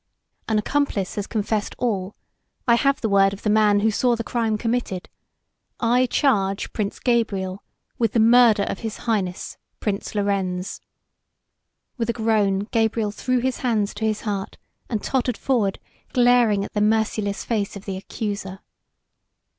"An accomplice has confessed all. I have the word of the man who saw the crime committed. I charge Prince Gabriel with the murder of His Highness, Prince Lorenz." With a groan, Gabriel threw his hands to his heart and tottered forward, glaring at the merciless face of the accuser.